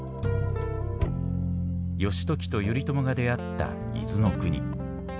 義時と頼朝が出会った伊豆国。